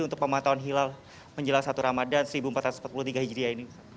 untuk pemantauan hilal menjelang satu ramadan seribu empat ratus empat puluh tiga hijriah ini